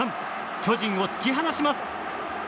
巨人を突き放します。